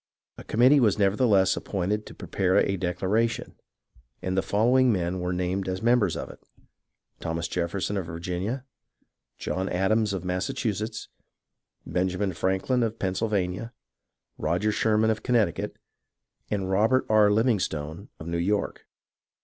A committee was nevertheless appointed to prepare a declaration, and the following men were named as members of it : Thomas Jefferson of Virginia, John Adams of Massachusetts, Benjamin Franklin of Pennsylvania, Roger Sherman of Connecticut, and Robert R. Livingstone of New York.